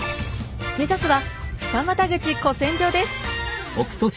目指すは二股口古戦場です。